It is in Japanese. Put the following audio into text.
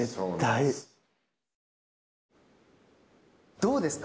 どうですか。